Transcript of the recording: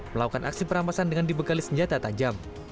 melakukan aksi perampasan dengan dibekali senjata tajam